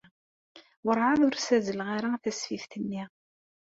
Werɛad ur ssazzleɣ ara tasfift-nni.